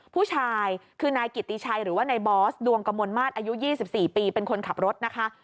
ผู้ชายคือนายกิติชัยหรือว่านายบอสดวงกมลมาตรอายุ๒๔ปีเป็นคนขับรถนะคะ